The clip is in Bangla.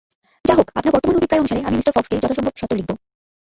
যা হোক, আপনার বর্তমান অভিপ্রায় অনুসারে আমি মি ফক্সকে যথাসম্ভব সত্বর লিখব।